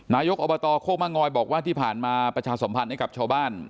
นายกอบบตโฆปังงอยบอกว่าที่ผ่านมาประชาสัมพันธุ์ของชาวบ้าน